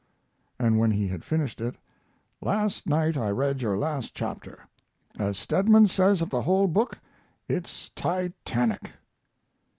And when he had finished it: Last night I read your last chapter. As Stedman says of the whole book, it's titanic.